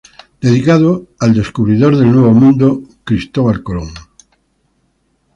Dedicado al descubridor del Nuevo Mundo, Cristóbal Colón.